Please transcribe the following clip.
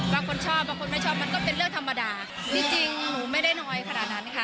บางคนชอบบางคนไม่ชอบมันก็เป็นเรื่องธรรมดาจริงหนูไม่ได้น้อยขนาดนั้นค่ะ